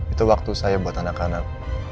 itu waktu saya buat anak anak